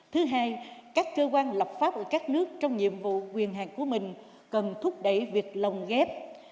thứ hai các cơ quan lập pháp ở các nước trong nhiệm vụ quyền hạn của mình cần thúc đẩy việc lồng ghép